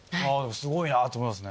すごいなと思いますね。